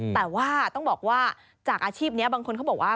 แต่ว่าต้องบอกว่าจากอาชีพนี้บางคนเขาบอกว่า